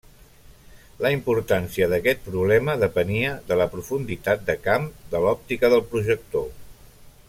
La importància d’aquest problema depenia de la profunditat de camp de l’òptica del projector.